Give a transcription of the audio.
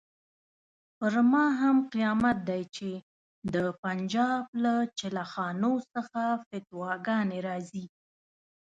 پر ما هم قیامت دی چې د پنجاب له چکله خانو څخه فتواګانې راځي.